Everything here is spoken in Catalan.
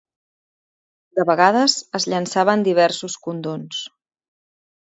De vegades es llençaven diversos condons.